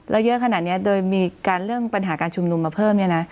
แล้วเยอะขนาดนี้โดยมีการเรื่องปัญหาการชุมนุมมาเพิ่มเนี่ยนะ